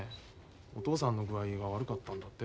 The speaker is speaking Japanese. お父さんの具合が悪かったんだって？